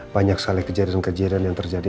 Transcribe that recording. banyak sekali kejadian kejadian yang terjadi